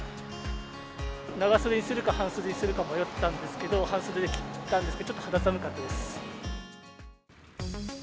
長袖にするか半袖にするか迷ったんですけど、半袖で来たんですけど、ちょっと肌寒かったです。